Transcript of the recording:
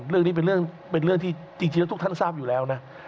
เรื่องนี้เป็นเรื่องเป็นเรื่องที่จริงจริงแล้วทุกท่านทราบอยู่แล้วนะ